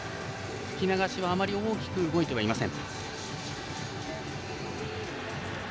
吹き流しもあまり大きくは動いていません。